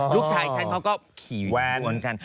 ลูกชายฉันเขาก็ขี่อยู่ที่นี่กัน